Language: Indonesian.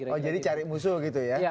oh jadi cari musuh gitu ya